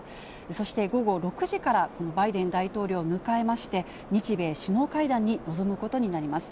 そして午後６時から、バイデン大統領を迎えまして、日米首脳会談に臨むことになります。